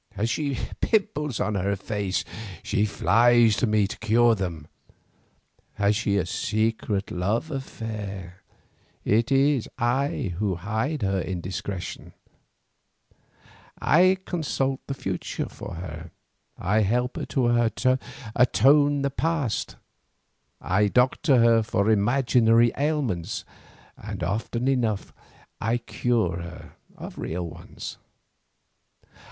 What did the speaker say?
Has she pimples on her face, she flies to me to cure them. Has she a secret love affair, it is I who hide her indiscretion; I consult the future for her, I help her to atone the past, I doctor her for imaginary ailments, and often enough I cure her of real ones.